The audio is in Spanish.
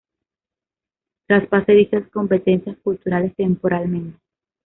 traspase dichas competencias culturales temporalmente